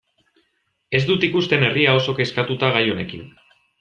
Ez dut ikusten herria oso kezkatuta gai honekin.